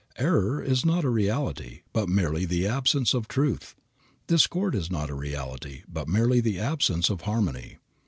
Error is not a reality, but merely the absence of truth; discord is not a reality, but merely the absence of harmony.